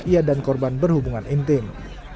ia dan korban berhubungan intim